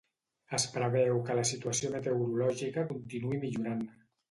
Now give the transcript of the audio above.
Es preveu que la situació meteorològica continuï millorant